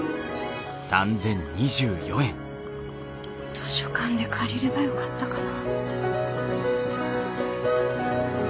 図書館で借りればよかったかな。